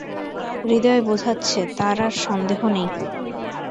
হৃদয় বোঝাচ্ছে তার আর সন্দেহ নেই।